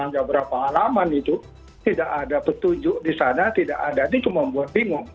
kemudian tapi pembahasan itu itu tidak ada petunjuk di sana tidak ada ini cuma membuat bingung